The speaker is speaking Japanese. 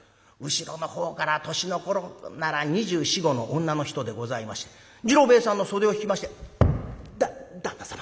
後ろのほうから年の頃なら２４２５の女の人でございまして次郎兵衛さんの袖を引きまして「だ旦那様